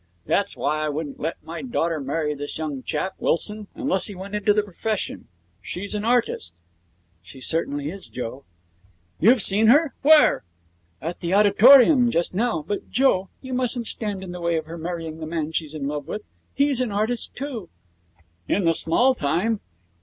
That's why I wouldn't let my daughter marry this young chap, Wilson, unless he went into the profession. She's an artist ' 'She certainly is, Joe.' 'You've seen her? Where?' 'At the Auditorium just now. But, Joe, you mustn't stand in the way of her marrying the man she's in love with. He's an artist, too.' 'In the small time.'